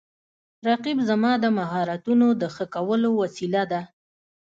رقیب زما د مهارتونو د ښه کولو وسیله ده